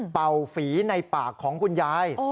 ฝีในปากของคุณยาย